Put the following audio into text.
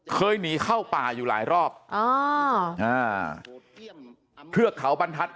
เคยหนีเข้าป่าอยู่หลายรอบอ๋ออ่าเทือกเขาบรรทัศน